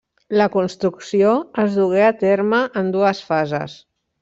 La construcció es dugué a terme en dues fases.